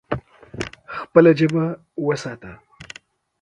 خپله ژبه وساته.